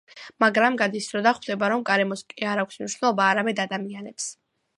მაგრამ გადის დრო და ხვდება, რომ გარემოს კი არ აქვს მნიშვნელობა, არამედ ადამიანებს.